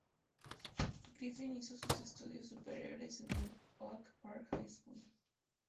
Griffin hizo sus estudios superiores en el Oak Park High School.